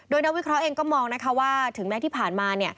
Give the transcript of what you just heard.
โดยนักวิเคราะห์เองก็มองนะคะว่าถึงแม้ที่ผ่านมา